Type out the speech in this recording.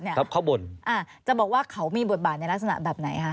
เขาบ่นอ่าจะบอกว่าเขามีบทบาทในลักษณะแบบไหนคะ